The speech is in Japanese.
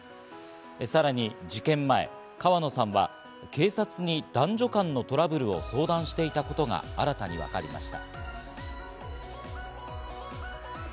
さらに事件前、川野さんは警察に男女間のトラブルを相談していたことが新たに分かりました。